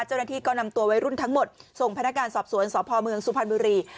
เจ้าหน้าที่ก็นำตัววัยรุ่นทั้งหมดส่งพนักงานสอบสวนสพเมืองสุพรรณบุรี